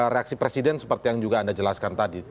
reaksi presiden seperti yang juga anda jelaskan tadi